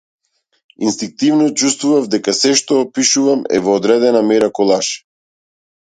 Инстинктивно чувствував дека сѐ што пишувам е во одредена мера колаж.